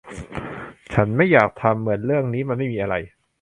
ฉันไม่อยากทำเหมือนเรื่องนี้มันไม่มีอะไร